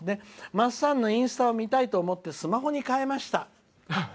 まっさんのインスタを見たいと思ってスマホに代えました」。